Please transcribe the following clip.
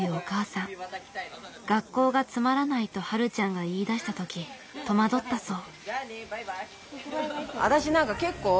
学校がつまらないとはるちゃんが言いだしたとき戸惑ったそう。